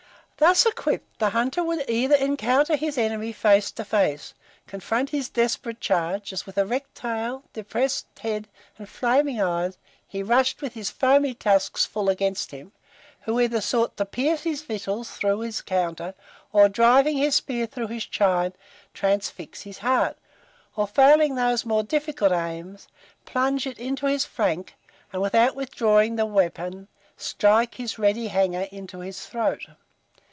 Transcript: Thus equipped, the hunter would either encounter his enemy face to face, confront his desperate charge, as with erect tail, depressed head, and flaming eyes, he rushed with his foamy tusks full against him, who either sought to pierce his vitals through his counter, or driving his spear through his chine, transfix his heart; or failing those more difficult aims, plunge it into his flank, and, without withdrawing the weapon, strike his ready hanger into his throat.